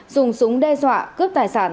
dùng súng đe dọa cướp tài sản